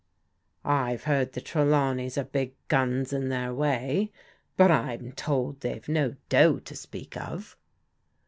" I've heard the Trelawneys are big guns in their way. But I'm told they've no dough to speak of."